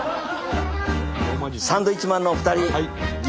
サンドウィッチマンのお二人！